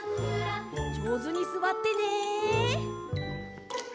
じょうずにすわってね！